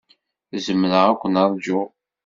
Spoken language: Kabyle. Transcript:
Zemreɣ ad ken-ṛjuɣ.